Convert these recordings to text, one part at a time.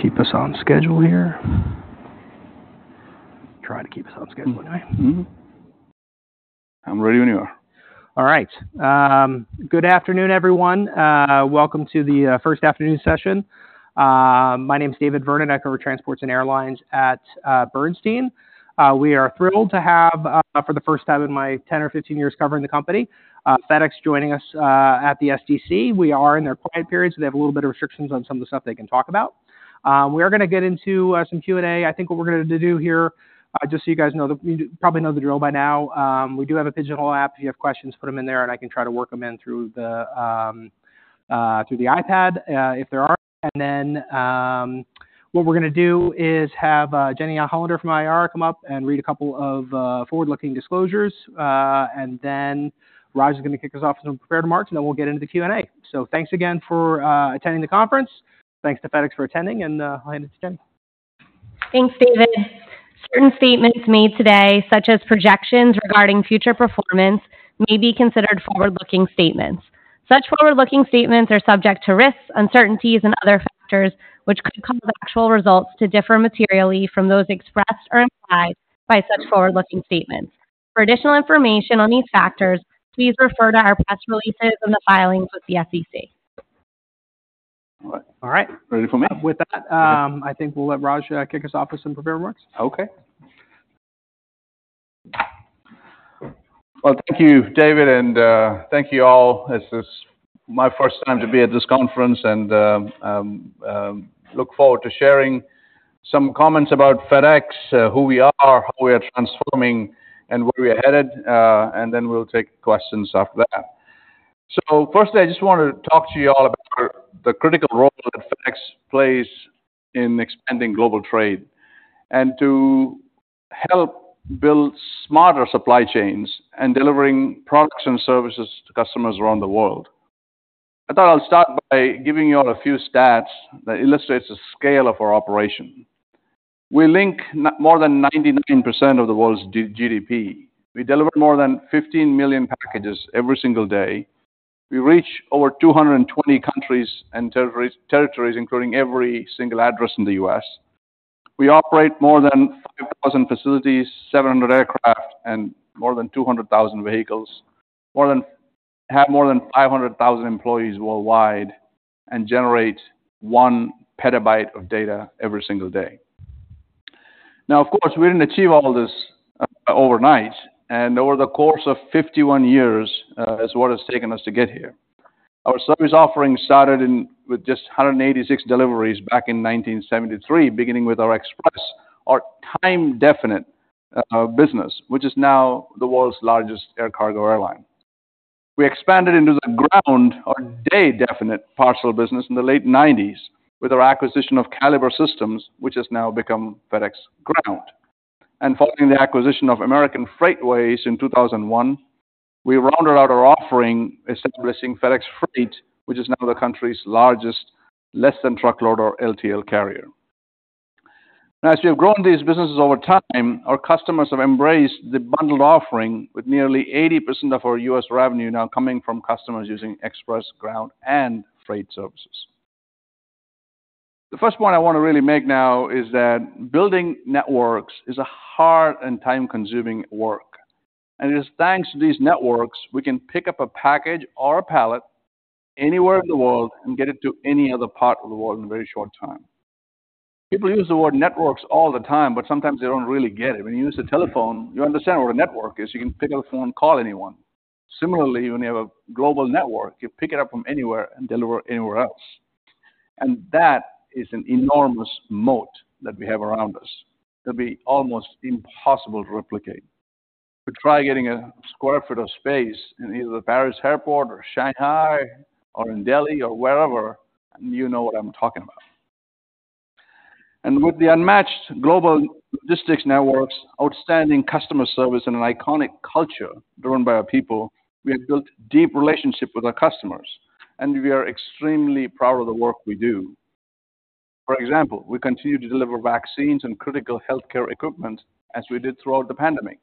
Keep us on schedule here. Try to keep us on schedule today. Mm-hmm. I'm ready when you are. All right. Good afternoon, everyone. Welcome to the first afternoon session. My name is David Vernon. I cover transports and airlines at Bernstein. We are thrilled to have, for the first time in my 10 or 15 years covering the company, FedEx joining us at the SDC. We are in their quiet period, so they have a little bit of restrictions on some of the stuff they can talk about. We are gonna get into some Q&A. I think what we're gonna do here, just so you guys know, you probably know the drill by now. We do have a digital app. If you have questions, put them in there, and I can try to work them in through the iPad, if there are. And then, what we're gonna do is have Jenifer Hollander from IR come up and read a couple of forward-looking disclosures. And then Raj is gonna kick us off with some prepared remarks, and then we'll get into the Q&A. So thanks again for attending the conference. Thanks to FedEx for attending, and I'll hand it to Jenifer. Thanks, David. Certain statements made today, such as projections regarding future performance, may be considered forward-looking statements. Such forward-looking statements are subject to risks, uncertainties, and other factors which could cause actual results to differ materially from those expressed or implied by such forward-looking statements. For additional information on these factors, please refer to our press releases and the filings with the SEC. All right. Ready for me? With that, I think we'll let Raj kick us off with some prepared remarks. Okay. Well, thank you, David, and thank you all. This is my first time to be at this conference, and look forward to sharing some comments about FedEx, who we are, how we are transforming, and where we are headed, and then we'll take questions after that. So firstly, I just wanted to talk to you all about the critical role that FedEx plays in expanding global trade and to help build smarter supply chains and delivering products and services to customers around the world. I thought I'll start by giving you all a few stats that illustrates the scale of our operation. We link more than 99% of the world's GDP. We deliver more than 15 million packages every single day. We reach over 220 countries and territories, including every single address in the U.S. We operate more than 5,000 facilities, 700 aircraft, and more than 200,000 vehicles. We have more than 500,000 employees worldwide and generate 1 PB of data every single day. Now, of course, we didn't achieve all of this overnight, and over the course of 51 years is what it's taken us to get here. Our service offerings started in... with just 186 deliveries back in 1973, beginning with our express, our time-definite, business, which is now the world's largest air cargo airline. We expanded into the ground or day-definite parcel business in the late 1990s with our acquisition of Caliber System, which has now become FedEx Ground. And following the acquisition of American Freightways in 2001, we rounded out our offering by establishing FedEx Freight, which is now the country's largest less-than-truckload or LTL carrier. As we have grown these businesses over time, our customers have embraced the bundled offering, with nearly 80% of our U.S. revenue now coming from customers using Express, Ground, and Freight services. The first point I want to really make now is that building networks is a hard and time-consuming work, and it is thanks to these networks. We can pick up a package or a pallet anywhere in the world and get it to any other part of the world in a very short time. People use the word networks all the time, but sometimes they don't really get it. When you use a telephone, you understand what a network is. You can pick up a phone and call anyone. Similarly, when you have a global network, you pick it up from anywhere and deliver it anywhere else. And that is an enormous moat that we have around us that'll be almost impossible to replicate. To try getting a square foot of space in either the Paris Airport or Shanghai or in Delhi or wherever, you know what I'm talking about. And with the unmatched global logistics networks, outstanding customer service, and an iconic culture driven by our people, we have built deep relationships with our customers, and we are extremely proud of the work we do. For example, we continue to deliver vaccines and critical healthcare equipment as we did throughout the pandemic.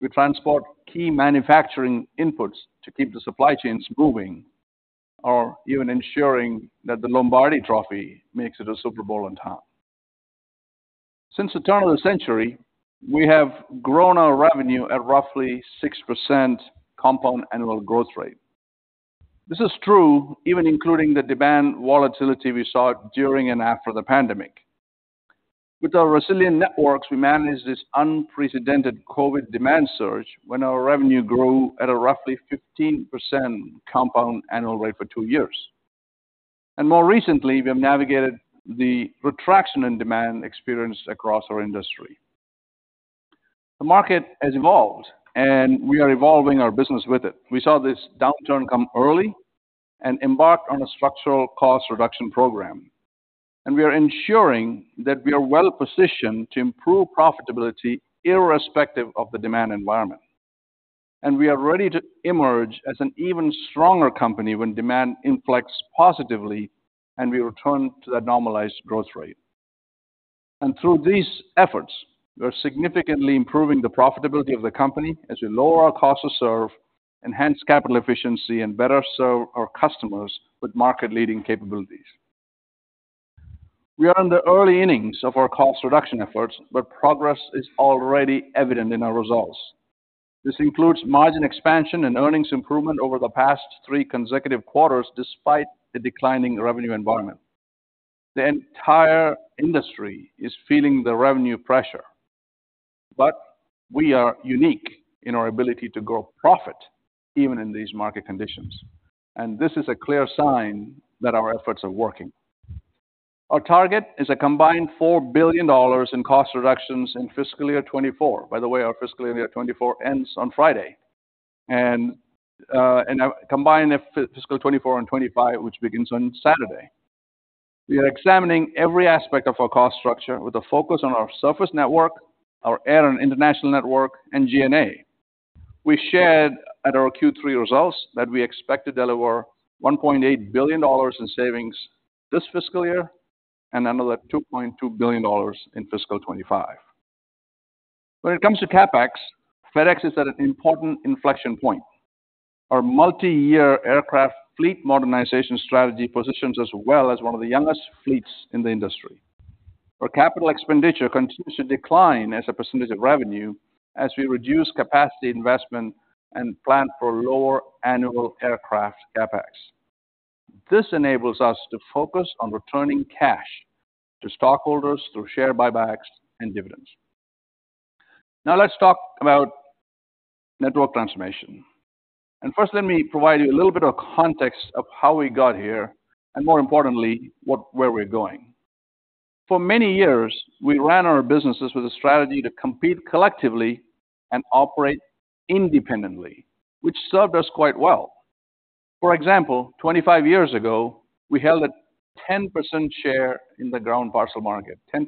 We transport key manufacturing inputs to keep the supply chains moving, or even ensuring that the Lombardi Trophy makes it to Super Bowl on time. Since the turn of the century, we have grown our revenue at roughly 6% compound annual growth rate. This is true even including the demand volatility we saw during and after the pandemic. With our resilient networks, we managed this unprecedented COVID demand surge when our revenue grew at a roughly 15% compound annual rate for two years. More recently, we have navigated the retraction in demand experienced across our industry. The market has evolved, and we are evolving our business with it. We saw this downturn come early and embarked on a structural cost reduction program. We are ensuring that we are well-positioned to improve profitability, irrespective of the demand environment. We are ready to emerge as an even stronger company when demand influx positively and we return to that normalized growth rate. Through these efforts, we are significantly improving the profitability of the company as we lower our cost to serve, enhance capital efficiency, and better serve our customers with market-leading capabilities. We are in the early innings of our cost reduction efforts, but progress is already evident in our results. This includes margin expansion and earnings improvement over the past three consecutive quarters, despite the declining revenue environment. The entire industry is feeling the revenue pressure, but we are unique in our ability to grow profit even in these market conditions, and this is a clear sign that our efforts are working. Our target is a combined $4 billion in cost reductions in fiscal year 2024. By the way, our fiscal year 2024 ends on Friday, and, and a combined fiscal 2024 and 2025, which begins on Saturday. We are examining every aspect of our cost structure with a focus on our surface network, our air and international network, and G&A. We shared at our Q3 results that we expect to deliver $1.8 billion in savings this fiscal year, and another $2.2 billion in fiscal 2025. When it comes to CapEx, FedEx is at an important inflection point. Our multi-year aircraft fleet modernization strategy positions us well as one of the youngest fleets in the industry. Our capital expenditure continues to decline as a percentage of revenue as we reduce capacity investment and plan for lower annual aircraft CapEx. This enables us to focus on returning cash to stockholders through share buybacks and dividends. Now, let's talk about network transformation. First, let me provide you a little bit of context of how we got here, and more importantly, where we're going. For many years, we ran our businesses with a strategy to compete collectively and operate independently, which served us quite well. For example, 25 years ago, we held a 10% share in the ground parcel market, 10%,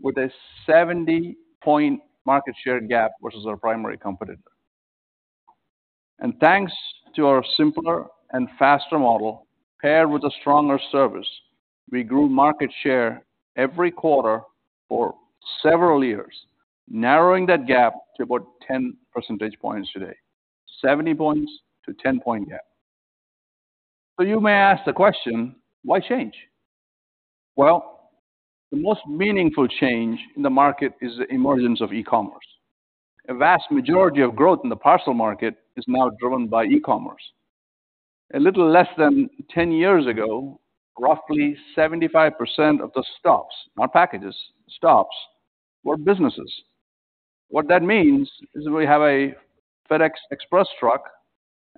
with a 70-point market share gap versus our primary competitor. And thanks to our simpler and faster model, paired with a stronger service, we grew market share every quarter for several years, narrowing that gap to about 10 percentage points today, 70 points to 10-point gap. So you may ask the question: Why change? Well, the most meaningful change in the market is the emergence of e-commerce. A vast majority of growth in the parcel market is now driven by e-commerce. A little less than 10 years ago, roughly 75% of the stops, not packages, stops, were businesses. What that means is we have a FedEx Express truck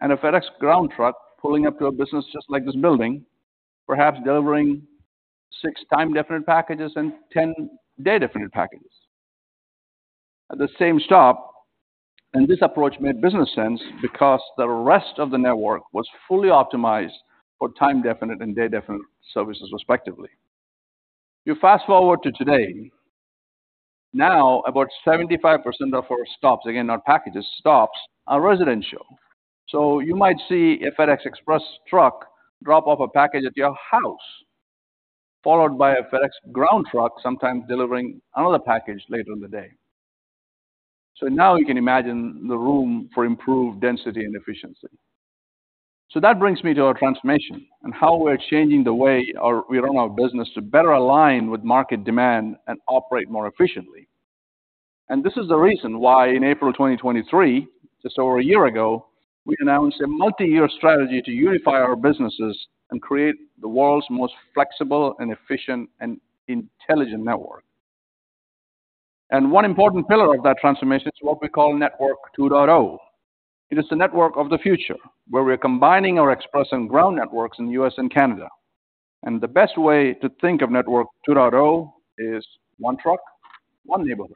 and a FedEx Ground truck pulling up to a business just like this building, perhaps delivering six time-definite packages and 10 day-definite packages. At the same stop, and this approach made business sense because the rest of the network was fully optimized for time-definite and day-definite services, respectively. You fast-forward to today, now, about 75% of our stops, again, not packages, stops, are residential. So you might see a FedEx Express truck drop off a package at your house, followed by a FedEx Ground truck, sometimes delivering another package later in the day. So now you can imagine the room for improved density and efficiency. So that brings me to our transformation and how we're changing the way we run our business to better align with market demand and operate more efficiently. And this is the reason why in April 2023, just over a year ago, we announced a multi-year strategy to unify our businesses and create the world's most flexible and efficient and intelligent network. And one important pillar of that transformation is what we call Network 2.0. It is the network of the future, where we are combining our express and ground networks in U.S. and Canada. And the best way to think of Network 2.0 is one truck, one neighborhood.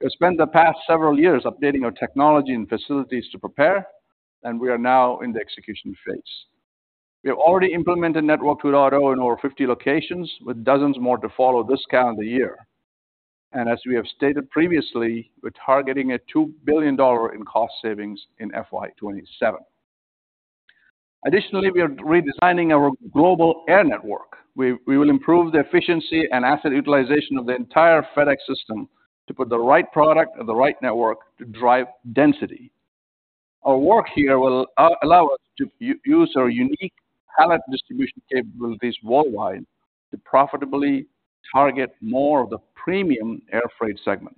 We spent the past several years updating our technology and facilities to prepare, and we are now in the execution phase. We have already implemented Network 2.0 in over 50 locations, with dozens more to follow this calendar year. As we have stated previously, we're targeting $2 billion in cost savings in FY 2027. Additionally, we are redesigning our global air network. We will improve the efficiency and asset utilization of the entire FedEx system to put the right product and the right network to drive density. Our work here will allow us to use our unique pallet distribution capabilities worldwide to profitably target more of the premium air freight segment.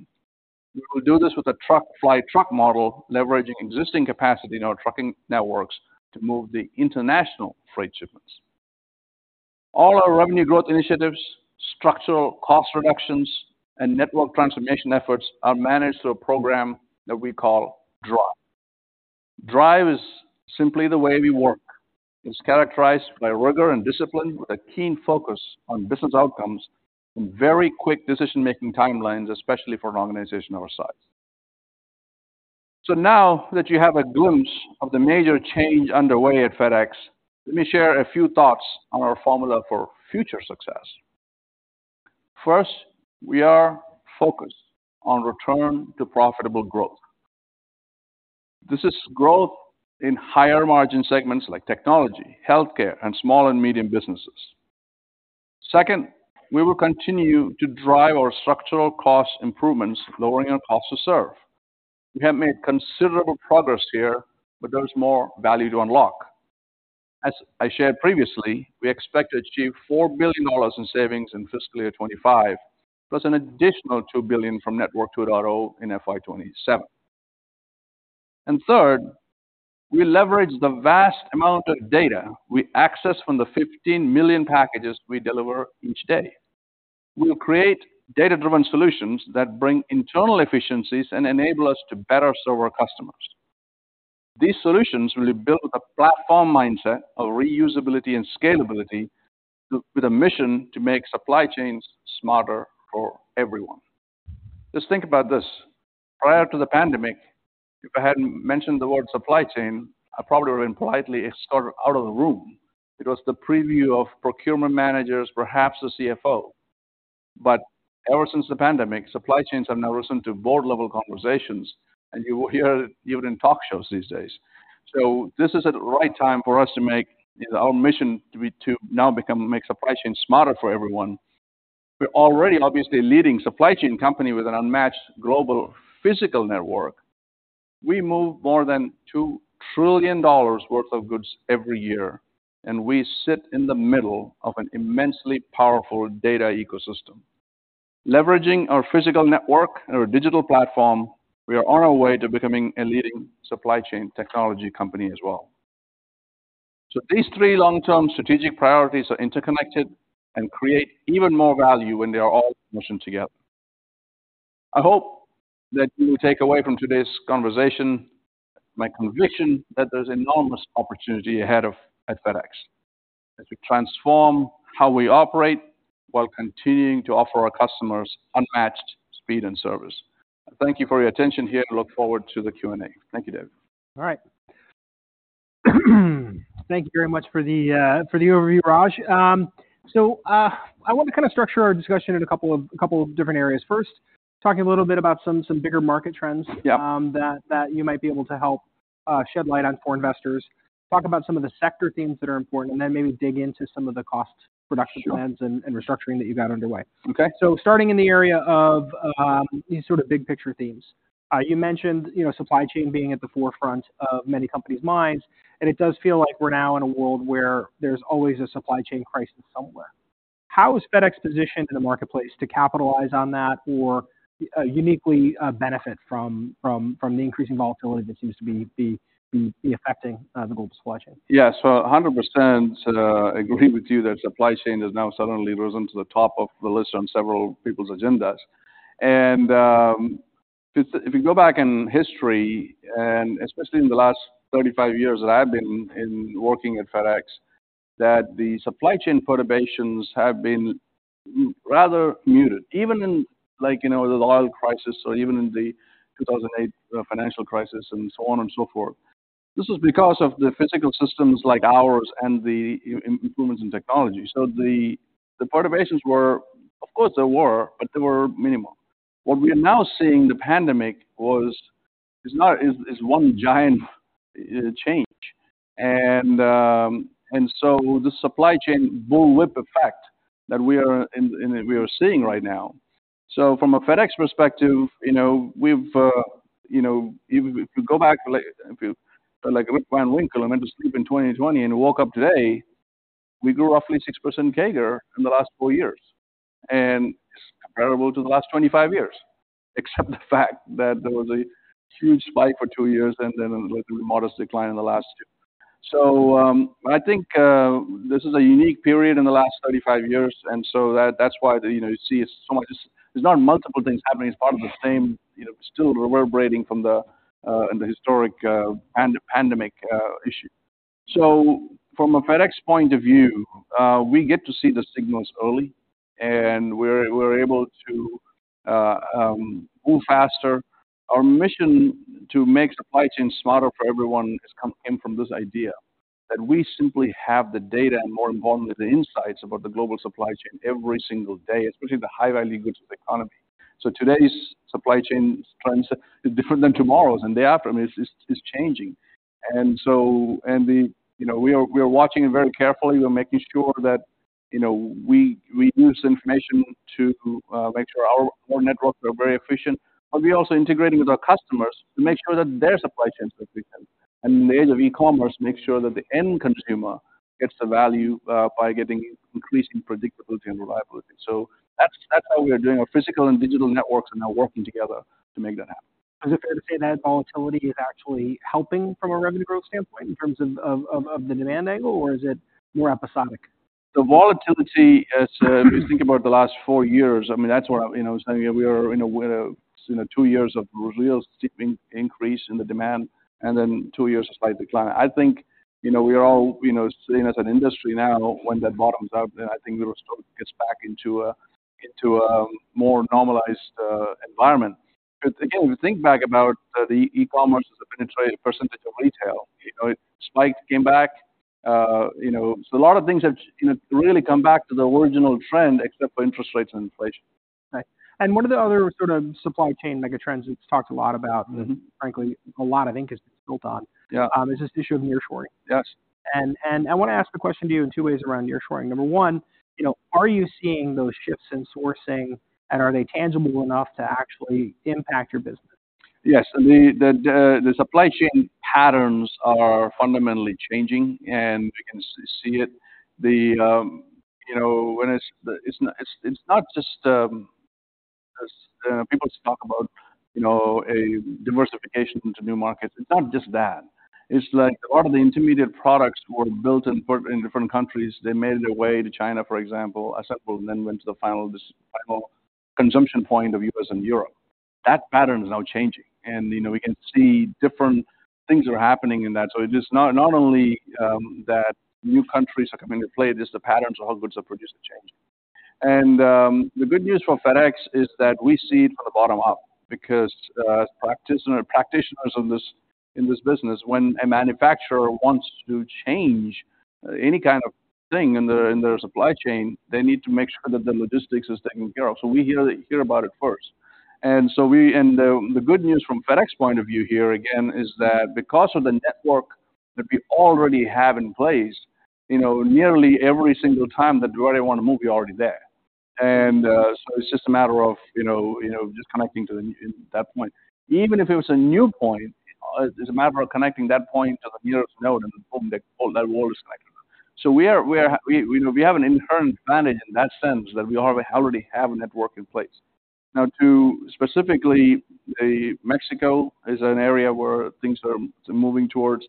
We will do this with a truck-fly-truck model, leveraging existing capacity in our trucking networks to move the international freight shipments. All our revenue growth initiatives, structural cost reductions, and network transformation efforts are managed through a program that we call DRIVE. DRIVE is simply the way we work. It's characterized by rigor and discipline, with a keen focus on business outcomes and very quick decision-making timelines, especially for an organization our size. So now that you have a glimpse of the major change underway at FedEx, let me share a few thoughts on our formula for future success. First, we are focused on return to profitable growth. This is growth in higher margin segments like technology, healthcare, and small and medium businesses. Second, we will continue to drive our structural cost improvements, lowering our cost to serve. We have made considerable progress here, but there is more value to unlock. As I shared previously, we expect to achieve $4 billion in savings in fiscal year 2025, plus an additional $2 billion from Network 2.0 in FY 2027. And third, we leverage the vast amount of data we access from the 15 million packages we deliver each day. We will create data-driven solutions that bring internal efficiencies and enable us to better serve our customers. These solutions will be built with a platform mindset of reusability and scalability, with a mission to make supply chains smarter for everyone. Just think about this: Prior to the pandemic, if I hadn't mentioned the word supply chain, I probably would have been politely escorted out of the room. It was the purview of procurement managers, perhaps a CFO. But ever since the pandemic, supply chains have now risen to board-level conversations, and you will hear it even in talk shows these days. So this is the right time for us to make our mission to be, to now become, make supply chains smarter for everyone. We're already obviously a leading supply chain company with an unmatched global physical network. We move more than $2 trillion worth of goods every year, and we sit in the middle of an immensely powerful data ecosystem. Leveraging our physical network and our digital platform, we are on our way to becoming a leading supply chain technology company as well. So these three long-term strategic priorities are interconnected and create even more value when they are all moving together. I hope that you will take away from today's conversation my conviction that there's enormous opportunity ahead of, at FedEx, as we transform how we operate while continuing to offer our customers unmatched speed and service. Thank you for your attention here, and look forward to the Q&A. Thank you, David. All right. Thank you very much for the overview, Raj. So, I want to kind of structure our discussion in a couple of different areas. First, talking a little bit about some bigger market trends- Yeah. that you might be able to help shed light on for investors. Talk about some of the sector themes that are important, and then maybe dig into some of the cost reduction plans- Sure. restructuring that you got underway. Okay. So starting in the area of, these sort of big picture themes. You mentioned, you know, supply chain being at the forefront of many companies' minds, and it does feel like we're now in a world where there's always a supply chain crisis somewhere. How is FedEx positioned in the marketplace to capitalize on that or, uniquely, benefit from the increasing volatility that seems to be the affecting the global supply chain? Yeah. So 100%, agree with you that supply chain has now suddenly risen to the top of the list on several people's agendas. And, if you go back in history, and especially in the last 35 years that I've been in working at FedEx, that the supply chain perturbations have been rather muted. Even in, like, you know, the oil crisis or even in the 2008 financial crisis and so on and so forth. This is because of the physical systems like ours and the improvements in technology. So the perturbations were... Of course, there were, but they were minimal. What we are now seeing, the pandemic, is one giant change. And, and so the supply chain bullwhip effect that we are seeing right now. So from a FedEx perspective, you know, we've, you know, if you go back, like, if you like Rip Van Winkle and went to sleep in 2020 and woke up today, we grew roughly 6% CAGR in the last 4 years. It's comparable to the last 25 years, except the fact that there was a huge spike for 2 years and then a modest decline in the last year. So, I think, this is a unique period in the last 35 years, and so that's why, you know, you see so much... There's not multiple things happening. It's part of the same- you know, still reverberating from the, and the historic, pandemic, issue. So from a FedEx point of view, we get to see the signals early, and we're able to move faster. Our mission to make supply chains smarter for everyone has come in from this idea, that we simply have the data, and more importantly, the insights about the global supply chain every single day, especially the high-value goods of the economy. So today's supply chain trends are different than tomorrow's, and the afternoon is changing. And so, you know, we are watching it very carefully. We're making sure that, you know, we use information to make sure our networks are very efficient. But we're also integrating with our customers to make sure that their supply chains are efficient. And in the age of e-commerce, make sure that the end consumer gets the value by getting increased predictability and reliability. So that's how we are doing. Our physical and digital networks are now working together to make that happen. Is it fair to say that volatility is actually helping from a revenue growth standpoint in terms of the demand angle, or is it more episodic? The volatility as you think about the last four years, I mean, that's where, you know, we are in a way, you know, two years of real steep increase in the demand and then two years of slight decline. I think, you know, we are all, you know, sitting as an industry now, when that bottoms out, then I think we will still get back into a more normalized environment. Because again, if you think back about the e-commerce as a penetration the retail, you know, it spiked, came back. You know, so a lot of things have, you know, really come back to the original trend, except for interest rates and inflation. Right. And one of the other sort of supply chain mega trends we've talked a lot about- Mm-hmm. Frankly, a lot of ink has been spilled on Yeah. is this issue of nearshoring. Yes. And I wanna ask the question to you in two ways around nearshoring. Number one, you know, are you seeing those shifts in sourcing, and are they tangible enough to actually impact your business? Yes. The supply chain patterns are fundamentally changing, and we can see it. The, you know, when it's not just people talk about, you know, a diversification into new markets. It's not just that. It's like a lot of the intermediate products were built in different countries. They made their way to China, for example, assembled and then went to the final consumption point of U.S. and Europe. That pattern is now changing, and, you know, we can see different things are happening in that. So it is not only that new countries are coming into play, it is the patterns of how goods are produced are changing. The good news for FedEx is that we see it from the bottom up, because as practitioners in this business, when a manufacturer wants to change any kind of thing in their supply chain, they need to make sure that the logistics is taken care of. So we hear about it first. And so, the good news from FedEx point of view here again, is that because of the network that we already have in place, you know, nearly every single time that where they wanna move, we're already there. And so it's just a matter of, you know, just connecting to that point. Even if it was a new point, it's a matter of connecting that point to the nearest node, and boom, the whole network is connected. So we are, you know, we have an inherent advantage in that sense, that we already have a network in place. Now, specifically, Mexico is an area where things are moving towards.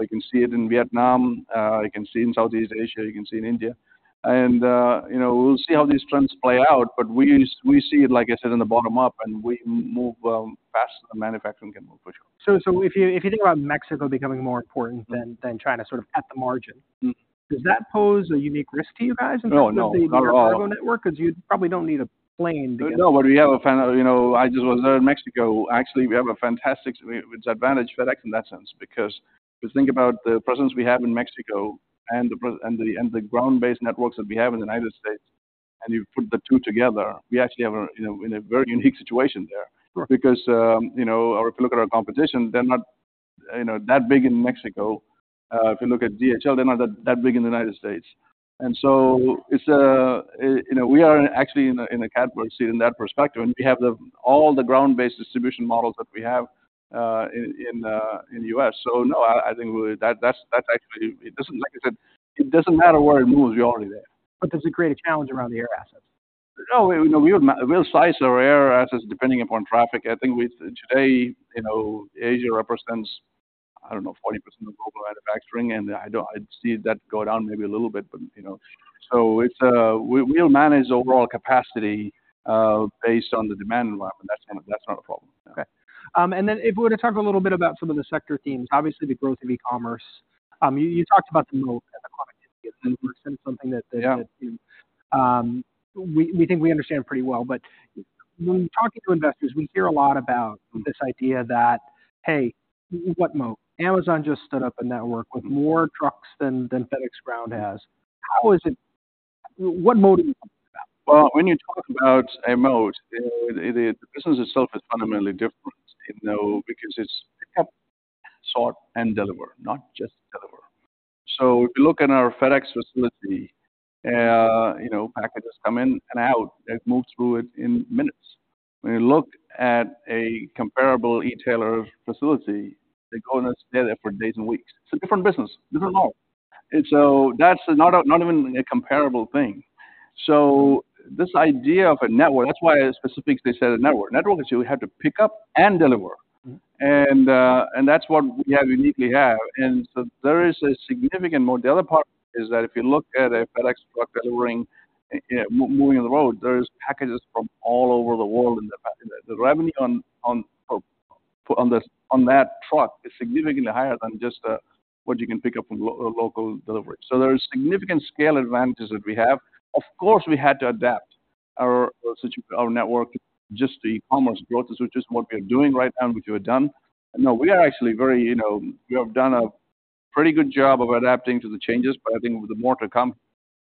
You can see it in Vietnam, you can see in Southeast Asia, you can see in India. And, you know, we'll see how these trends play out, but we see it, like I said, in the bottom up, and we move fast, and manufacturing can move, for sure. So if you think about Mexico becoming more important than China, sort of at the margin- Mm. -Does that pose a unique risk to you guys in terms of? No, no, not at all.... the air cargo network? 'Cause you probably don't need a plane to get- No, but we have. You know, I just was there in Mexico. Actually, we have a fantastic way, which advantage FedEx in that sense, because if you think about the presence we have in Mexico and the ground-based networks that we have in the United States, and you put the two together, we actually have, you know, in a very unique situation there. Sure. Because, you know, or if you look at our competition, they're not, you know, that big in Mexico. If you look at DHL, they're not that big in the United States. And so it's, you know, we are actually in a catbird seat in that perspective, and we have all the ground-based distribution models that we have in the US. So no, I think we... That actually, it doesn't—like I said, it doesn't matter where it moves, we're already there. Does it create a challenge around the air assets? No, we, you know, we will, we'll size our air assets depending upon traffic. I think we, today, you know, Asia represents, I don't know, 40% of global air backstream, and I don't-- I'd see that go down maybe a little bit, but, you know. So it's, we, we'll manage overall capacity, based on the demand environment. That's not, that's not a problem. Okay. And then if we were to talk a little bit about some of the sector themes, obviously the growth of e-commerce. You talked about the moat and the climate, and it's something that, that- Yeah... we think we understand pretty well. But when talking to investors, we hear a lot about this idea that, hey, what moat? Amazon just stood up a network with more trucks than FedEx Ground has. How is it... What moat are you talking about? Well, when you talk about a moat, it, the business itself is fundamentally different, you know, because it's pick up, sort, and deliver, not just deliver. So if you look in our FedEx facility, you know, packages come in and out. It moves through it in minutes. When you look at a comparable e-tailer facility, they go in there for days and weeks. It's a different business, different moat. And so that's not a, not even a comparable thing. So this idea of a network, that's why specifics, they said a network. Network is you have to pick up and deliver. Mm-hmm. That's what we uniquely have. And so there is a significant moat. The other part is that if you look at a FedEx truck delivering, moving on the road, there's packages from all over the world. The revenue on that truck is significantly higher than just what you can pick up from a local delivery. So there is significant scale advantages that we have. Of course, we had to adapt our network just the e-commerce growth, which is what we are doing right now, and which we have done. No, we are actually very, you know... We have done a pretty good job of adapting to the changes, but I think with the more to come,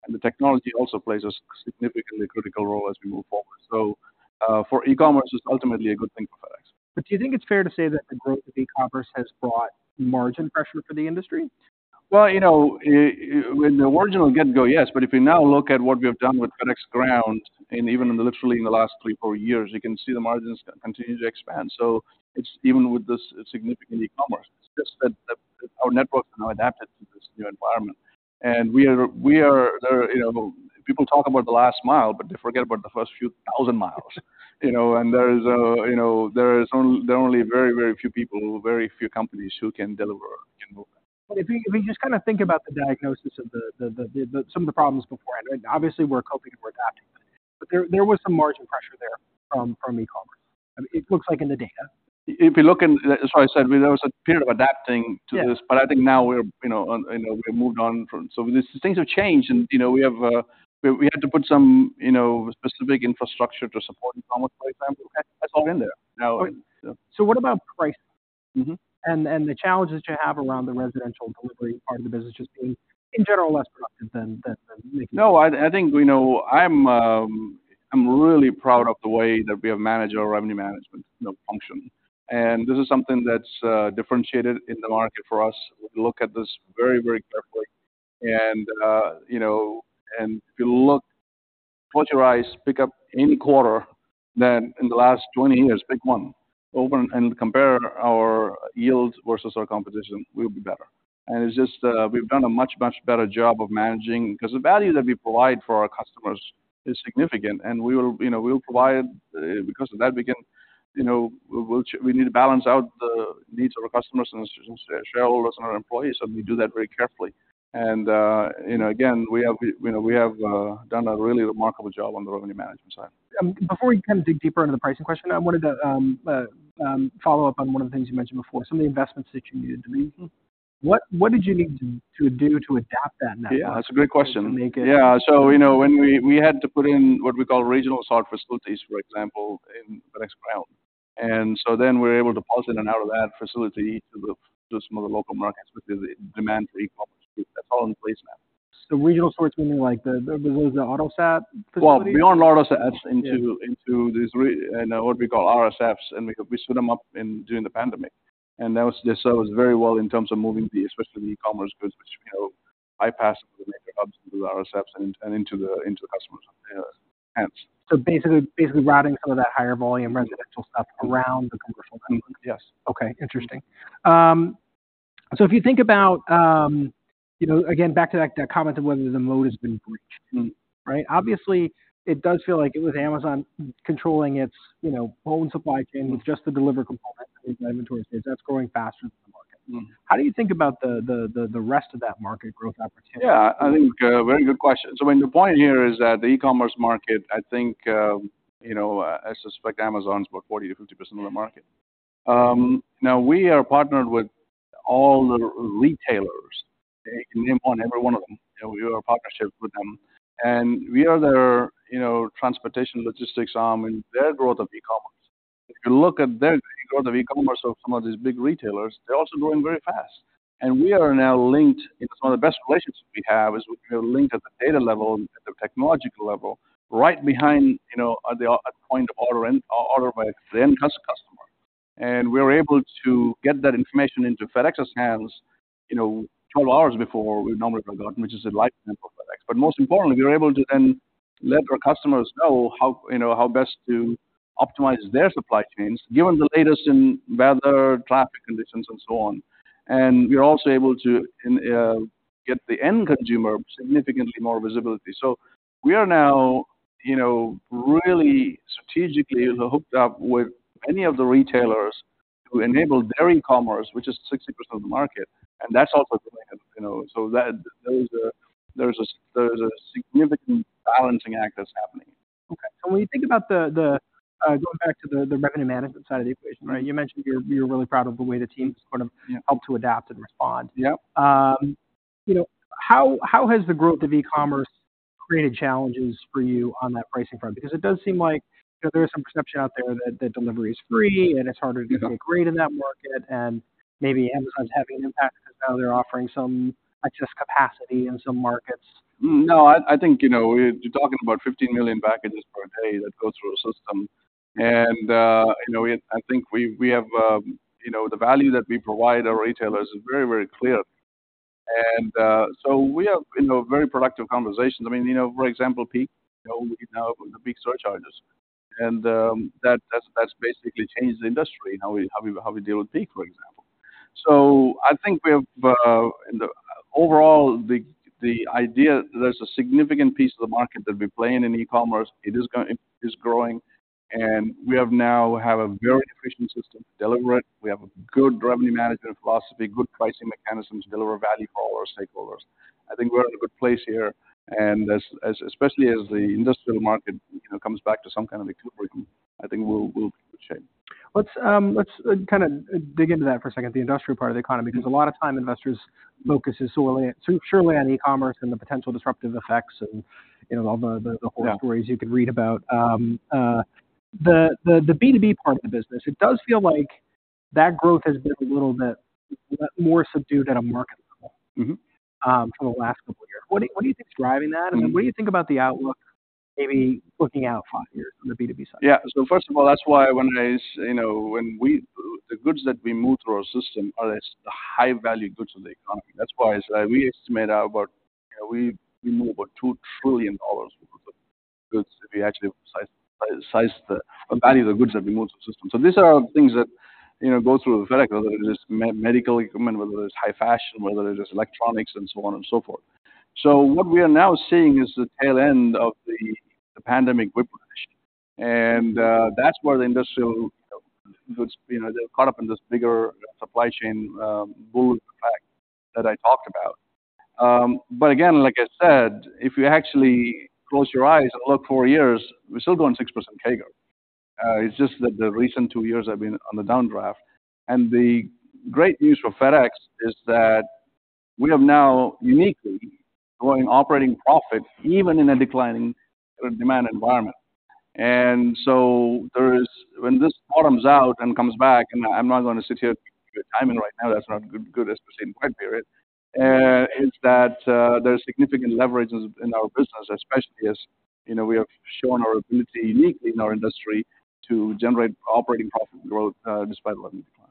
and the technology also plays a significantly critical role as we move forward. For e-commerce, it's ultimately a good thing for FedEx. Do you think it's fair to say that the growth of e-commerce has brought margin pressure for the industry? Well, you know, from the get-go, yes. But if you now look at what we have done with FedEx Ground, and even literally in the last 3, 4 years, you can see the margins continue to expand. So it's even with this significant e-commerce, it's just that our networks are now adapted to this new environment. And we are, there are, you know, people talk about the last mile, but they forget about the first few thousand miles, you know, and there are only very, very few people, very few companies who can deliver and move. But if you just kind of think about the diagnosis of some of the problems beforehand, obviously we're coping and we're adapting, but there was some margin pressure there from e-commerce. It looks like in the data. If you look in, as I said, there was a period of adapting to this. Yeah... but I think now we're, you know, you know, we've moved on from... So these things have changed, and, you know, we have, we had to put some, you know, specific infrastructure to support e-commerce quite some time. That's all in there now. So what about price? Mm-hmm. And the challenges you have around the residential delivery part of the business, just being, in general, less productive than. No, I think, you know, I'm really proud of the way that we have managed our revenue management, you know, function. And this is something that's differentiated in the market for us. We look at this very, very carefully. And, you know, and if you look, close your eyes, pick up any quarter, then in the last 20 years, pick one. Open and compare our yields versus our competition, we'll be better. And it's just, we've done a much, much better job of managing—'cause the value that we provide for our customers is significant, and we will, you know, we will provide, because of that, we can, you know, we need to balance out the needs of our customers and shareholders and our employees, and we do that very carefully. You know, again, we have done a really remarkable job on the revenue management side. Before we kind of dig deeper into the pricing question, I wanted to follow up on one of the things you mentioned before, some of the investments that you needed to make. What did you need to do to adapt that now? Yeah, that's a great question. To make it- Yeah. So, you know, when we had to put in what we call regional sort facilities, for example, in FedEx Ground. So then we're able to pause in and out of that facility to some of the local markets, because the demand for E-commerce, that's all in place now. The regional sorts meaning like the RSF facilities? Well, we own [inaudible Yeah. into these what we call RSFs, and we set them up during the pandemic. And they served us very well in terms of moving, especially the e-commerce goods, which, you know, bypassed the major hubs through RSFs and into the customers' hands. So basically, routing some of that higher volume residential stuff around the commercial. Yes. Okay, interesting. So if you think about, you know, again, back to that comment on whether the moat has been breached, right? Obviously, it does feel like it, with Amazon controlling its, you know, own supply chain with just the delivery component, the inventory space, that's growing faster than the market. Mm-hmm. How do you think about the rest of that market growth opportunity? Yeah, I think, very good question. So I mean, the point here is that the e-commerce market, I think, you know, I suspect Amazon's about 40%-50% of the market. Now we are partnered with all the retailers. I can name on every one of them, you know, we have a partnership with them, and we are their, you know, transportation, logistics arm in their growth of e-commerce. If you look at their growth of e-commerce of some of these big retailers, they're also growing very fast. And we are now linked. It's one of the best relationships we have, is we are linked at the data level and at the technological level, right behind, you know, at the, at point of order and order by the end customer. We're able to get that information into FedEx's hands, you know, 12 hours before we normally go out, which is a lifetime for FedEx. But most importantly, we're able to then let our customers know how, you know, how best to optimize their supply chains, given the latest in weather, traffic conditions, and so on. And we are also able to get the end consumer significantly more visibility. So we are now, you know, really strategically hooked up with many of the retailers who enable their E-commerce, which is 60% of the market, and that's also growing, you know. So there is a significant balancing act that's happening. Okay. And when you think about the going back to the revenue management side of the equation, right? You mentioned you're really proud of the way the team has sort of- Yeah helped to adapt and respond. Yep. You know, how has the growth of e-commerce created challenges for you on that pricing front? Because it does seem like, you know, there is some perception out there that delivery is free, and it's harder to get freight in that market, and maybe Amazon's having an impact, because now they're offering some excess capacity in some markets. No, I think, you know, you're talking about 15 million packages per day that go through the system. And, you know, I think we have, you know, the value that we provide our retailers is very, very clear. And, so we have, you know, very productive conversations. I mean, you know, for example, Peak, you know, we now have the Peak Surcharges, and, that that's basically changed the industry, how we deal with Peak, for example. So I think we have, the overall, the idea there's a significant piece of the market that we play in, in E-commerce, it is growing, and we now have a very efficient system to deliver it. We have a good revenue management philosophy, good pricing mechanisms to deliver value for our stakeholders. I think we're in a good place here, and especially as the industrial market, you know, comes back to some kind of equilibrium, I think we'll be in shape. Let's, let's kind of dig into that for a second, the industrial part of the economy because a lot of time investors focus is solely, surely on e-commerce and the potential disruptive effects and, you know, all the- Yeah horror stories you could read about. The B2B part of the business, it does feel like that growth has been a little bit more subdued at a market level- Mm-hmm for the last couple of years. What do you think is driving that? Mm-hmm. I mean, what do you think about the outlook, maybe looking out five years on the B2B side? Yeah. So first of all, that's why when I, you know, when we the goods that we move through our system are the high-value goods of the economy. That's why we estimate about, we move about $2 trillion of goods. If you actually size the value of the goods that we move through the system. So these are things that, you know, go through FedEx, whether it is medical equipment, whether it's high fashion, whether it is electronics and so on and so forth. So what we are now seeing is the tail end of the pandemic whiplash. And that's where the industrial goods, you know, they're caught up in this bigger supply chain boom fact that I talked about. But again, like I said, if you actually close your eyes and look four years, we're still growing 6% CAGR. It's just that the recent two years have been on the downdraft. And the great news for FedEx is that we have now uniquely growing operating profit, even in a declining demand environment. And so there is, when this bottoms out and comes back, and I'm not going to sit here timing right now, that's not good, good, as to say, quiet period, is that, there's significant leverages in our business, especially as, you know, we have shown our ability uniquely in our industry to generate operating profit growth, despite the decline.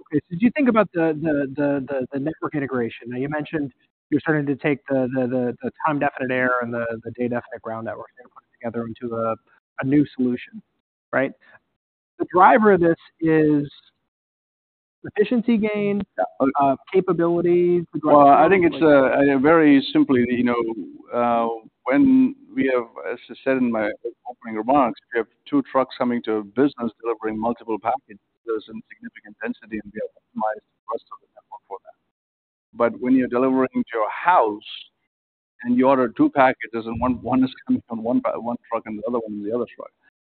Okay, so do you think about the network integration? Now, you mentioned you're starting to take the time-definite air and the day-definite Ground network and put together into a new solution, right? The driver of this is efficiency gain, capabilities? Well, I think it's a very simple, you know, when we have, as I said in my opening remarks, we have two trucks coming to a business delivering multiple packages. There's insignificant density, and we optimize the rest of the network for that. But when you're delivering to a house, and you order two packages, and one is coming from one truck and the other one is from the other truck.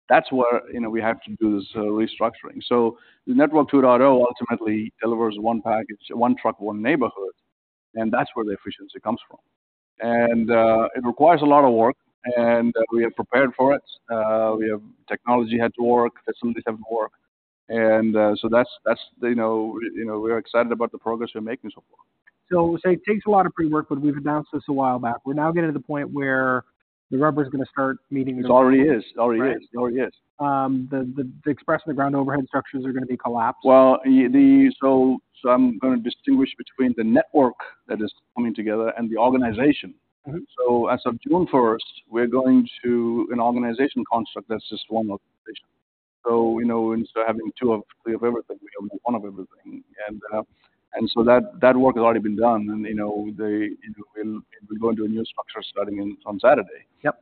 That's where, you know, we have to do this restructuring. So the Network 2.0 ultimately delivers one package, one truck, one neighborhood, and that's where the efficiency comes from. And, it requires a lot of work, and we have prepared for it. Technology has to work, facilities have to work, and, so that's, you know, we're excited about the progress we're making so far. So, say it takes a lot of pre-work, but we've announced this a while back. We're now getting to the point where the rubber is gonna start meeting- It already is. It already is. Right. It already is. The express, the ground overhead structures are gonna be collapsed? Well, so I'm gonna distinguish between the network that is coming together and the organization. Mm-hmm. So as of June first, we're going to an organizational construct that's just one organization. So, you know, instead of having two of everything, we have one of everything. And so that work has already been done, and, you know, and we go into a new structure starting in, on Saturday. Yep.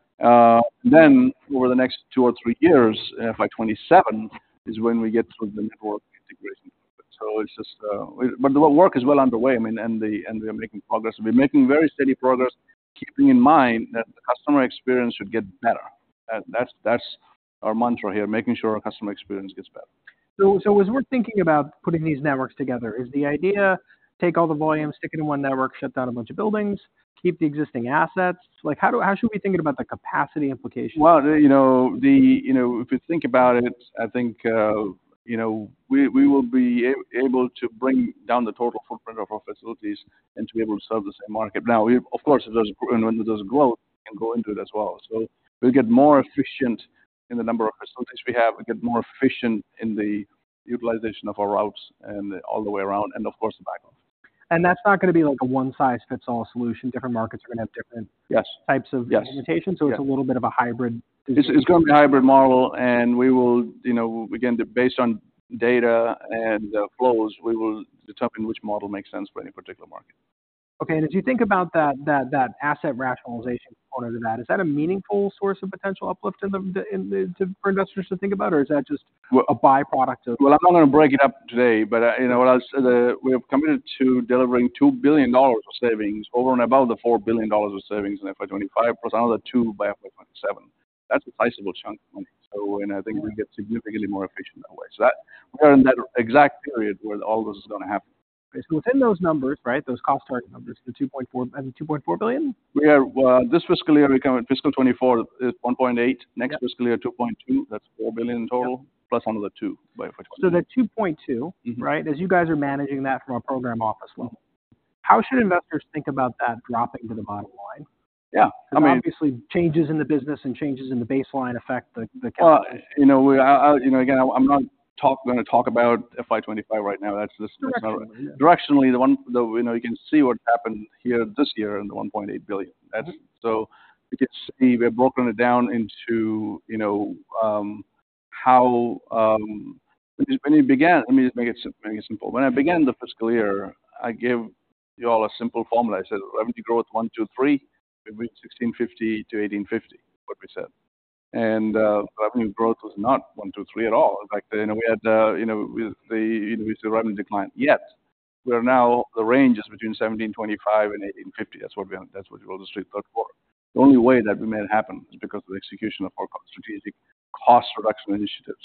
Then over the next two or three years, FY 27, is when we get to the network integration. So it's just, But the work is well underway, I mean, and we are making progress. We're making very steady progress, keeping in mind that the customer experience should get better. That, that's, that's our mantra here, making sure our customer experience gets better. So as we're thinking about putting these networks together, is the idea, take all the volume, stick it in one network, shut down a bunch of buildings, keep the existing assets? Like, how should we be thinking about the capacity implications? Well, you know, you know, if you think about it, I think, you know, we will be able to bring down the total footprint of our facilities and to be able to serve the same market. Now, we, of course, it does, and when it does grow, we can go into it as well. So we'll get more efficient in the number of facilities we have. We get more efficient in the utilization of our routes and all the way around, and of course, the background. That's not gonna be, like, a one-size-fits-all solution. Different markets are gonna have different- Yes. Types of implementations. Yes. It's a little bit of a hybrid. It's, it's gonna be a hybrid model, and we will, you know, again, based on data and flows, we will determine which model makes sense for any particular market. Okay, and as you think about that, asset rationalization part of that, is that a meaningful source of potential uplift in the for investors to think about? Or is that just- Well- - a byproduct of? Well, I'm not gonna break it up today, but, you know, what I'll say that we have committed to delivering $2 billion of savings over and above the $4 billion of savings in FY 2025, plus another $2 billion by FY 2027. That's a sizable chunk of money. So and I think we get significantly more efficient that way. So that, we're in that exact period where all this is gonna happen. So within those numbers, right, those cost numbers, the $2.4, and the $2.4 billion? We are this fiscal year, we come fiscal 2024 is $1.8. Yep. Next fiscal year, 2.2. That's $4 billion in total- Yep. plus another 2 by 2024. So the 2.2- Mm-hmm. Right? As you guys are managing that from a program office level, how should investors think about that dropping to the bottom line? Yeah, I mean- Obviously, changes in the business and changes in the baseline affect the- Well, you know, again, I'm not gonna talk about FY 25 right now. That's just- Sure. Directionally, you know, you can see what happened here this year in the $1.8 billion. Mm-hmm. That's so you can see we have broken it down into, you know, how, when it began. Let me just make it simple. Mm-hmm. When I began the fiscal year, I gave you all a simple formula. I said, revenue growth, 1, 2, 3, between $1,650-$1,850, what we said. Revenue growth was not 1, 2, 3 at all. In fact, you know, we had, you know, we see revenue decline. Yet, we are now, the range is between $1,725 and $1,850. That's what we have, that's what Wall Street thought for. The only way that we made it happen is because of the execution of our strategic cost reduction initiatives,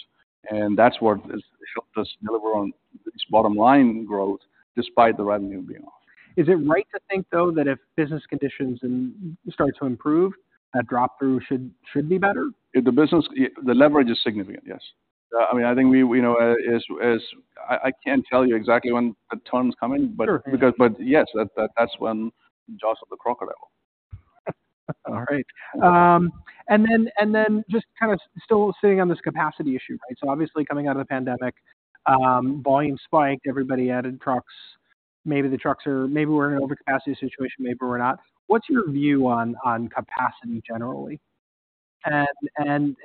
and that's what has helped us deliver on this bottom line growth despite the revenue being off. Is it right to think, though, that if business conditions start to improve, that drop-through should be better? If the business, yeah, the leverage is significant, yes. I mean, I think we know, as I can't tell you exactly when the time's coming- Sure. But yes, that's when jaws of the crocodile. All right. And then just kind of still sitting on this capacity issue, right? So obviously, coming out of the pandemic, volume spiked, everybody added trucks. Maybe the trucks are, maybe we're in an overcapacity situation, maybe we're not. What's your view on capacity generally? And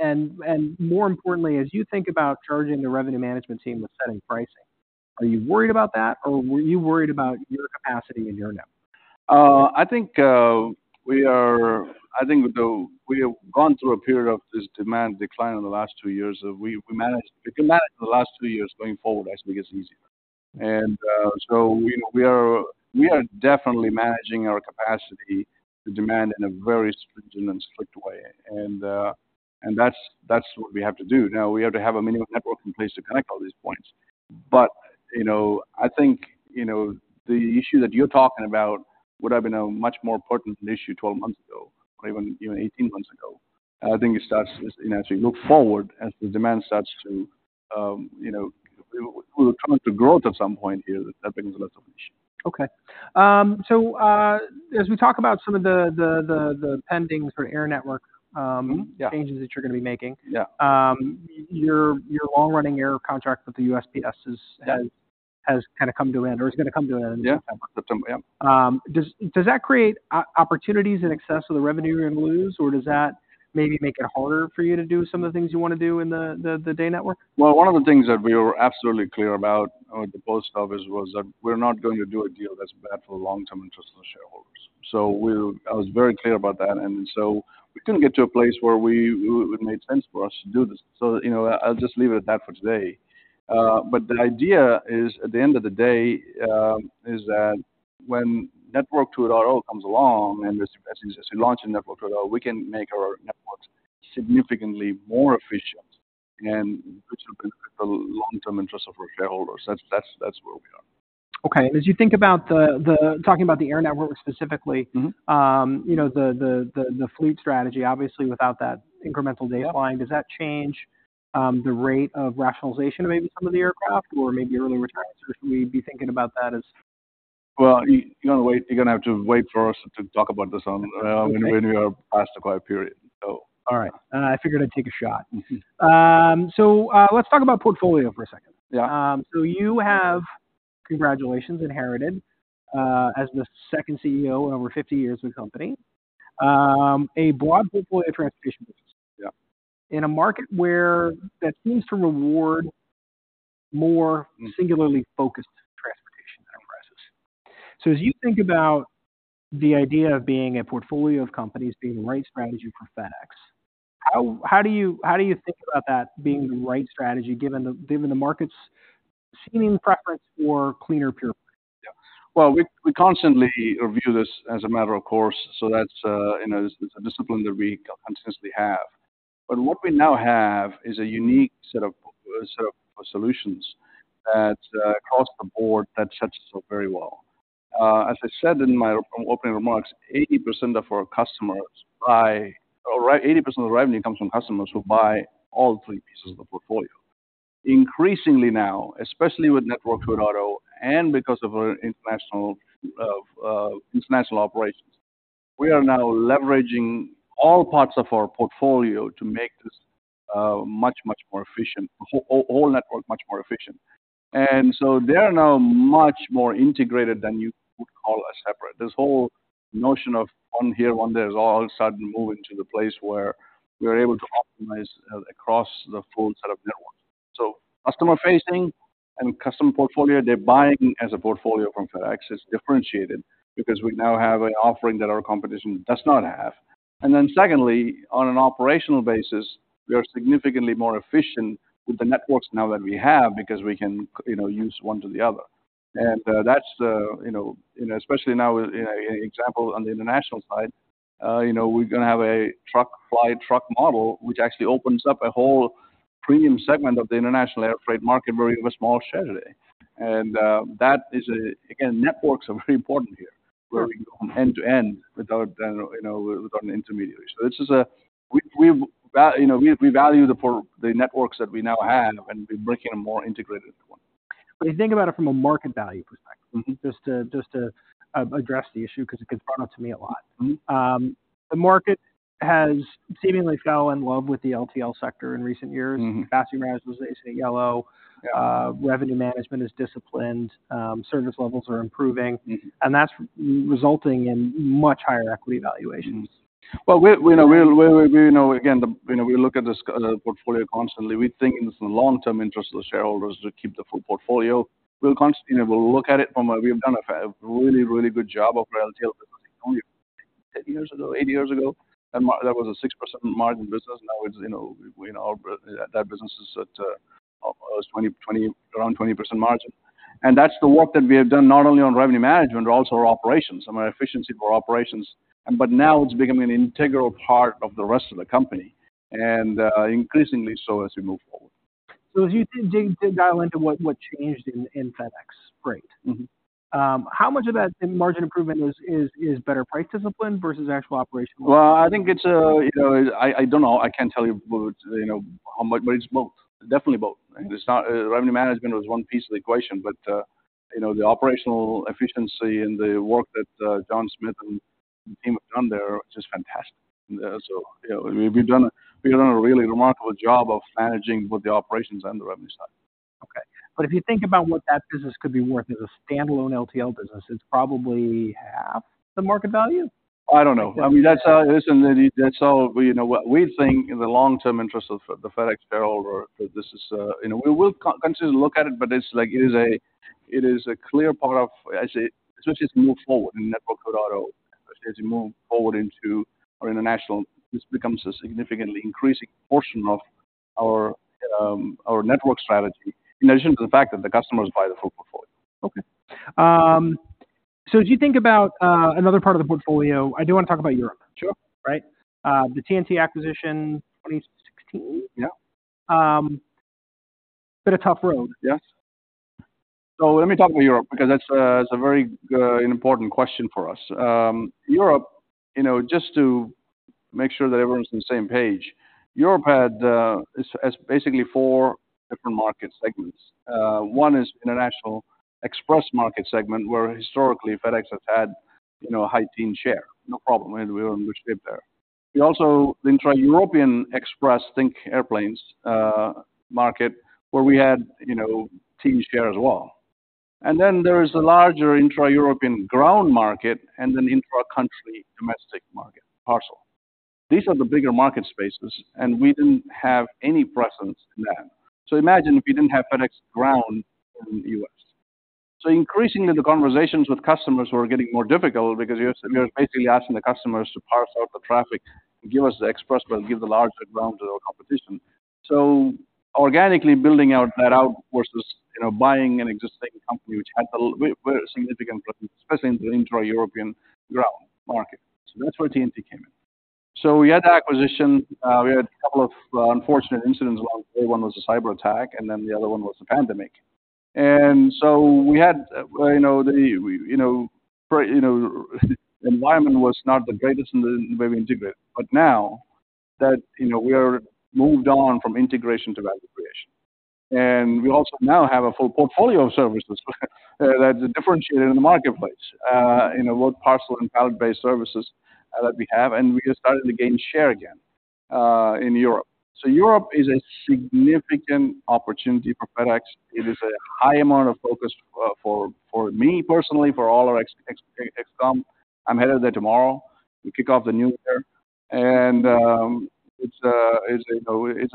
more importantly, as you think about charging the revenue management team with setting pricing, are you worried about that, or were you worried about your capacity and your network? I think we have gone through a period of this demand decline in the last two years. We managed, we can manage the last two years. Going forward, I think it's easier. And that's what we have to do. Now, we have to have a minimum network in place to connect all these points. But, you know, I think, you know, the issue that you're talking about would have been a much more important issue 12 months ago, or even 18 months ago. I think, as we look forward, as the demand starts to, you know, we will come into growth at some point here. That brings a lot of issue. Okay. So, as we talk about some of the pending for air network, Mm-hmm, yeah. changes that you're gonna be making. Yeah. Your long-running air contract with the USPS is, has- Yeah. has kind of come to an end or is gonna come to an end. Yeah, September. Yeah. Does that create opportunities in excess of the revenue you're gonna lose? Or does that maybe make it harder for you to do some of the things you wanna do in the day network? Well, one of the things that we were absolutely clear about, the post office, was that we're not going to do a deal that's bad for the long-term interest of the shareholders. I was very clear about that, and so we couldn't get to a place where we, it would make sense for us to do this. So, you know, I'll just leave it at that for today. But the idea is, at the end of the day, is that when Network 2.0 comes along and as we launch Network 2.0, we can make our networks significantly more efficient, and which will benefit the long-term interest of our shareholders. That's, that's, that's where we are. Okay. As you think about talking about the air network specifically- Mm-hmm. You know, the fleet strategy, obviously, without that incremental data line, does that change the rate of rationalization of maybe some of the aircraft or maybe early retirement, or should we be thinking about that as...? Well, you, you know, wait—you're gonna have to wait for us to talk about this on, Okay. When we are past the Quiet Period, so. All right, I figured I'd take a shot. Mm-hmm. Let's talk about portfolio for a second. Yeah. So, you have, congratulations, inherited, as the second CEO in over 50 years of the company, a broad portfolio of transportation business. Yeah. In a market where that seems to reward more- Mm. -singularly focused transportation enterprises. So as you think about the idea of being a portfolio of companies being the right strategy for FedEx, how do you think about that being the right strategy, given the market's seeming preference for cleaner pure play? Yeah. Well, we constantly review this as a matter of course, so that's, you know, it's a discipline that we consistently have. But what we now have is a unique set of solutions that, across the board, that sets us up very well. As I said in my opening remarks, 80% of our customers buy—or 8% of the revenue comes from customers who buy all three pieces of the portfolio. Increasingly now, especially with Network 2.0 and because of our international operations, we are now leveraging all parts of our portfolio to make this much, much more efficient, the whole network, much more efficient. And so they are now much more integrated than you would call a separate. This whole notion of one here, one there, is all of a sudden moving to the place where we're able to optimize across the full set of networks. So customer facing and customer portfolio, they're buying as a portfolio from FedEx, is differentiated because we now have an offering that our competition does not have. And then secondly, on an operational basis, we are significantly more efficient with the networks now that we have, because we can, you know, use one to the other. And that's the, you know, and especially now with, you know, example on the international side, you know, we're gonna have a truck, fly truck model, which actually opens up a whole premium segment of the international air freight market, where we have a small share today. And that is a-- Again, networks are very important here. Mm. Where we go from end to end without, you know, without an intermediary. So this is a—we, you know, we value the portfolio—the networks that we now have, and we're making them more integrated into one. When you think about it from a market value perspective- Mm-hmm. Just to address the issue, because it gets brought up to me a lot. Mm-hmm. The market has seemingly fell in love with the LTL sector in recent years. Mm-hmm. Capacity management, as they say, Yellow- Yeah. Revenue management is disciplined, service levels are improving. Mm-hmm. And that's resulting in much higher equity valuations. Well, we know again, you know, we look at this portfolio constantly. We think in the long-term interest of the shareholders to keep the full portfolio. We'll consider, you know, we'll look at it from a. We've done a really, really good job of LTL business only 10 years ago, 8 years ago, and that was a 6% margin business. Now it's, you know, our, that business is at, around 20% margin. And that's the work that we have done, not only on revenue management, but also our operations and our efficiency for operations. But now it's becoming an integral part of the rest of the company and, increasingly so as we move forward. So as you did dial into what changed in FedEx. Great. Mm-hmm. How much of that margin improvement is better price discipline versus actual operational? Well, I think it's, you know, I don't know. I can't tell you, you know, how much, but it's both. Definitely both. Mm. It's not revenue management is one piece of the equation, but, you know, the operational efficiency and the work that John Smith and the team have done there is just fantastic. So, you know, we've done a really remarkable job of managing both the operations and the revenue side. Okay. But if you think about what that business could be worth as a standalone LTL business, it's probably half the market value? I don't know. I mean, that's how it is, and that's how we know what we think in the long-term interest of the FedEx shareholder, that this is. You know, we will continuously look at it, but it's like, it is a clear part of, as it, especially as we move forward in Network 2.0. As you move forward into our international, this becomes a significantly increasing portion of our network strategy, in addition to the fact that the customers buy the full portfolio. Okay. As you think about another part of the portfolio, I do wanna talk about Europe. Sure. Right? The TNT acquisition, 2016. Yeah. Been a tough road. Yes. So let me talk about Europe, because that's a very important question for us. Europe, you know, just to make sure that everyone's on the same page. Europe has basically four different market segments. One is international express market segment, where historically FedEx has had, you know, a high teen share. No problem, and we're in good shape there. We also the intra-European express, think airplanes, market, where we had, you know, teen share as well. And then there is a larger intra-European ground market and an intra-country domestic market, parcel. These are the bigger market spaces, and we didn't have any presence in that. So imagine if you didn't have FedEx Ground in the U.S. So increasingly, the conversations with customers were getting more difficult because you're basically asking the customers to parcel out the traffic and give us the express, but give the larger ground to our competition. So organically building out that out versus, you know, buying an existing company, which had a very, very significant presence, especially in the intra-European ground market. So that's where TNT came in. So we had the acquisition. We had a couple of unfortunate incidents. One was a cyberattack, and then the other one was the pandemic. And so we had, you know, the environment was not the greatest in the way we integrate. But now that, you know, we are moved on from integration to value creation, and we also now have a full portfolio of services that's differentiated in the marketplace, you know, both parcel and pallet-based services that we have, and we are starting to gain share again in Europe. So Europe is a significant opportunity for FedEx. It is a high amount of focus for me personally, for all our ExCom. I'm headed there tomorrow to kick off the new year, and it's, you know, it's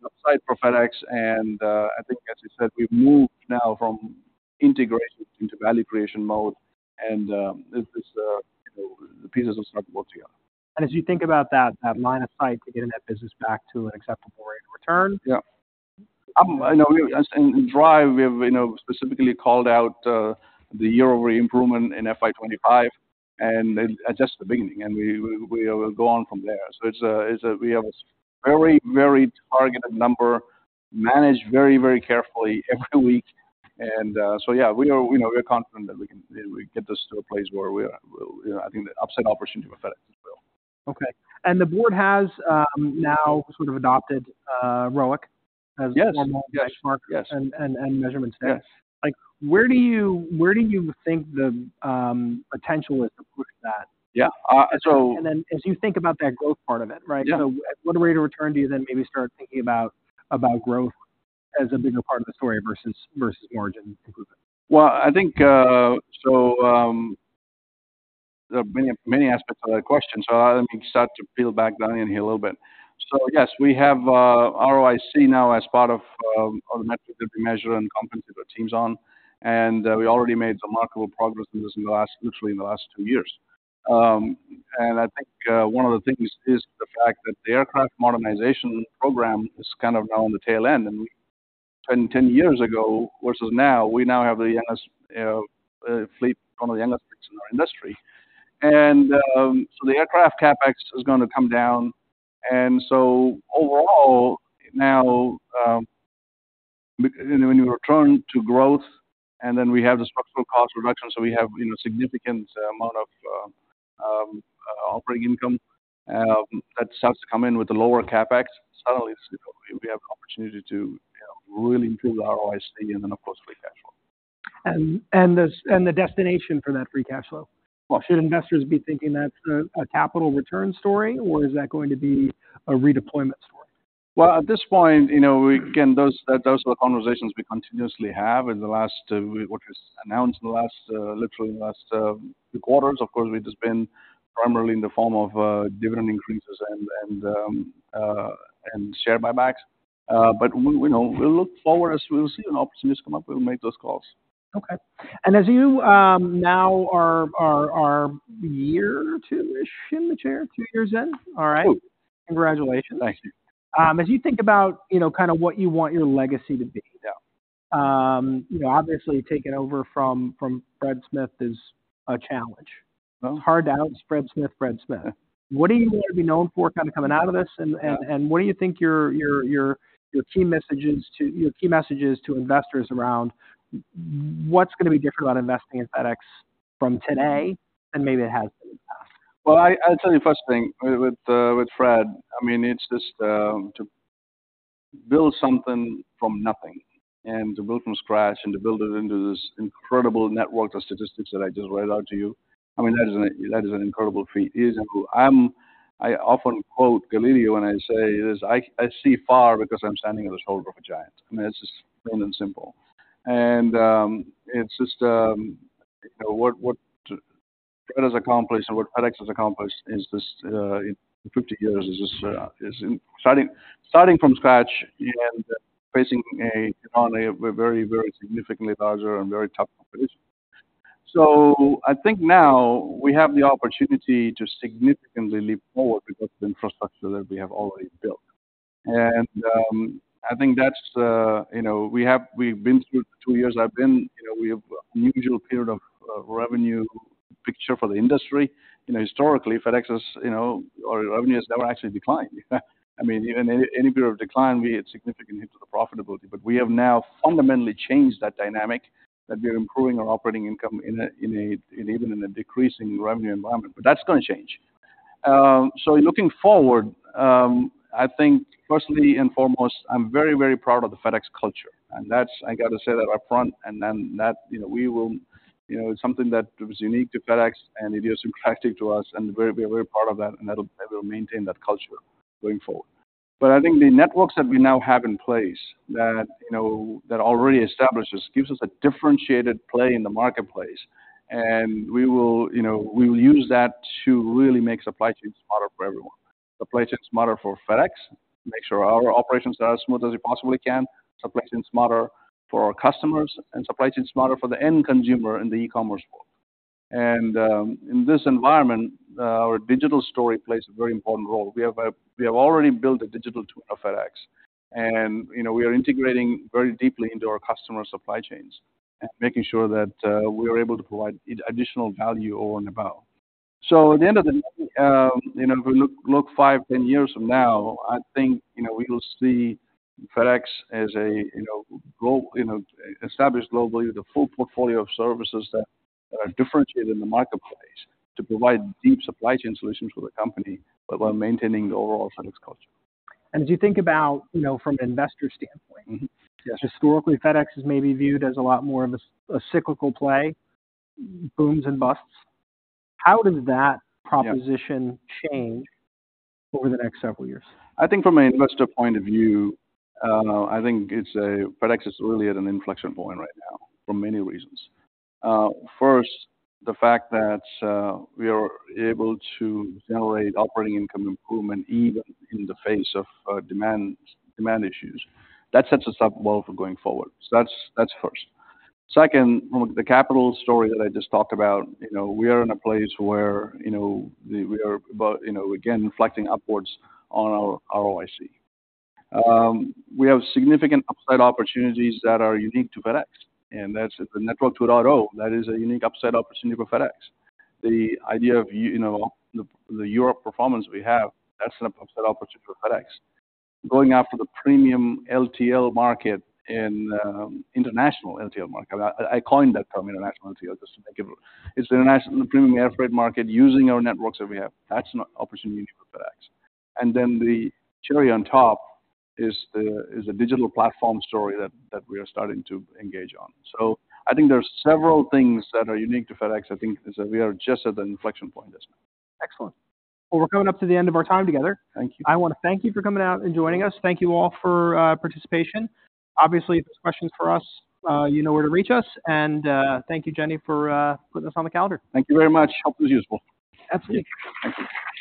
an upside for FedEx and I think, as you said, we've moved now from integration into value creation mode and this, you know, the pieces have started to work together. And as you think about that, that line of sight to getting that business back to an acceptable rate of return- Yeah. I know, as in DRIVE, we have, you know, specifically called out the year-over-year improvement in FY 2025, and that's just the beginning, and we will go on from there. So it's a... We have a very, very targeted number, managed very, very carefully every week. And so yeah, we are, you know, we're confident that we can get this to a place where we are, you know, I think the upside opportunity with FedEx as well. Okay. And the board has now sort of adopted ROIC as- Yes a formal benchmark Yes. measurement standard. Yes. Like, where do you think the potential is to push that? Yeah, As you think about that growth part of it, right? Yeah. What rate of return do you then maybe start thinking about, about growth as a bigger part of the story versus, versus margin improvement? Well, I think, so, there are many, many aspects of that question, so let me start to peel back the onion here a little bit. So yes, we have ROIC now as part of all the metrics that we measure and compensate our teams on. And we already made remarkable progress in this in the last, literally in the last 2 years. And I think one of the things is the fact that the aircraft modernization program is kind of now on the tail end, and 10, 10 years ago versus now, we now have the youngest fleet, one of the youngest fleets in our industry. So the aircraft CapEx is gonna come down, and so overall, now, when you return to growth, and then we have the structural cost reduction, so we have, you know, significant amount of operating income that starts to come in with the lower CapEx. Suddenly, we have an opportunity to, you know, really improve the ROIC and then, of course, free cash flow. And the destination for that free cash flow. Well- Should investors be thinking that's a capital return story, or is that going to be a redeployment story? Well, at this point, you know, those are the conversations we continuously have in the last few quarters. What was announced in the last, literally in the last few quarters. Of course, it has been primarily in the form of dividend increases and share buybacks. But we know, we'll look forward as we'll see an opportunities come up, we'll make those calls. Okay. As you now are a year or two-ish in the chair, two years in? All right. Mm. Congratulations. Thank you. As you think about, you know, kind of what you want your legacy to be, though, you know, obviously taking over from Fred Smith is a challenge. Well- Hard to out Fred Smith, Fred Smith. Yeah. What do you want to be known for kind of coming out of this? And what do you think your key messages to investors around what's gonna be different about investing in FedEx from today and maybe it has been in the past? Well, I'll tell you first thing, with Fred, I mean, it's just to build something from nothing and to build from scratch and to build it into this incredible network of logistics that I just read out to you. I mean, that is an incredible feat. It is incredible. I often quote Galileo when I say this: "I see far because I'm standing on the shoulder of a giant." I mean, it's just plain and simple. And it's just, you know, what Fred has accomplished and what FedEx has accomplished is this, in 50 years, is just starting from scratch and facing a very significantly larger and very tough competition. So I think now we have the opportunity to significantly leap forward because of the infrastructure that we have already built. And I think that's, you know, we've been through two years. You know, we have unusual period of revenue picture for the industry. You know, historically, FedEx is, you know, our revenues never actually declined. I mean, any bit of decline, we had significant hits to the profitability. But we have now fundamentally changed that dynamic, that we are improving our operating income in even in a decreasing revenue environment. But that's gonna change. So looking forward, I think firstly and foremost, I'm very, very proud of the FedEx culture, and that's, I gotta say that upfront, and then that, you know, we will, you know, it's something that is unique to FedEx, and it is attractive to us, and we're, we're part of that, and that'll, that will maintain that culture going forward. But I think the networks that we now have in place that, you know, that already establishes, gives us a differentiated play in the marketplace. And we will, you know, we will use that to really make supply chains smarter for everyone. Supply chains smarter for FedEx, make sure our operations are as smooth as they possibly can. Supply chains smarter for our customers, and supply chains smarter for the end consumer in the e-commerce world. In this environment, our digital story plays a very important role. We have—we have already built a digital twin of FedEx, and, you know, we are integrating very deeply into our customer supply chains and making sure that, we are able to provide additional value over and above. So at the end of the day, you know, if we look 5, 10 years from now, I think, you know, we will see FedEx as a, you know, globally established with a full portfolio of services that are differentiated in the marketplace to provide deep supply chain solutions for the company, but while maintaining the overall FedEx culture. As you think about, you know, from an investor standpoint- Mm-hmm. Yes. Historically, FedEx is maybe viewed as a lot more of a cyclical play, booms and busts. How does that- Yeah -proposition change over the next several years? I think from an investor point of view, I think it's a, FedEx is really at an inflection point right now, for many reasons. First, the fact that, we are able to generate operating income improvement even in the face of, demand, demand issues. That sets us up well for going forward. So that's, that's first. Second, the capital story that I just talked about, you know, we are in a place where, you know, we are about, you know, again, reflecting upwards on our ROIC. We have significant upside opportunities that are unique to FedEx, and that's the Network 2.0. That is a unique upside opportunity for FedEx. The idea of, you know, the Europe performance we have, that's an upside opportunity for FedEx. Going after the premium LTL market and, international LTL market. I coined that term, international LTL, just to make it... It's the international and the premium airfreight market, using our networks that we have. That's an opportunity for FedEx. And then the cherry on top is a digital platform story that we are starting to engage on. So I think there are several things that are unique to FedEx. I think is that we are just at the inflection point this time. Excellent. Well, we're coming up to the end of our time together. Thank you. I wanna thank you for coming out and joining us. Thank you all for participation. Obviously, if there's questions for us, you know where to reach us. And thank you, Jenny, for putting us on the calendar. Thank you very much. Hope it was useful. Absolutely. Thank you.